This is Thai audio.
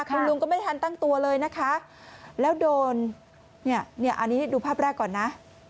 คุณลุงก็ไม่ทันตั้งตัวเลยนะคะแล้วโดนเนี่ยอันนี้ดูภาพแรกก่อนนะ